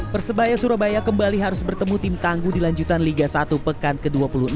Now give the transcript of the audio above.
persebaya surabaya kembali harus bertemu tim tangguh di lanjutan liga satu pekan ke dua puluh enam